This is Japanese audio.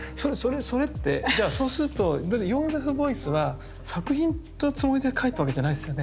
それってじゃあそうするとだってヨーゼフ・ボイスは作品のつもりでかいたわけじゃないですよね。